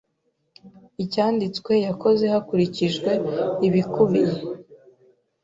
icyanditswe yakozwe hakurikijwe ibikubiye